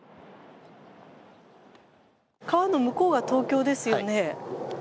川の向こうが東京ですよね。